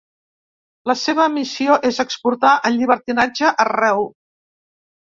La seva missió és exportar el llibertinatge arreu.